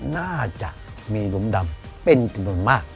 น่าจะมีหลุมดำเป็นจำนวนมาก